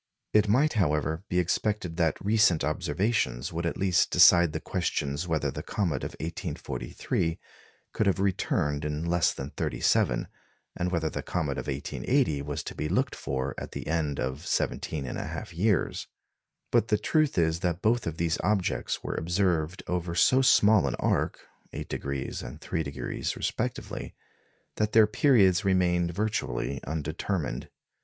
It might however, be expected that recent observations would at least decide the questions whether the comet of 1843 could have returned in less than thirty seven, and whether the comet of 1880 was to be looked for at the end of 17 1/2 years. But the truth is that both these objects were observed over so small an arc 8° and 3° respectively that their periods remained virtually undetermined.